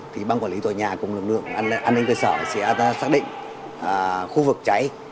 thì ban quản lý tòa nhà cùng lực lượng an ninh cơ sở sẽ xác định khu vực cháy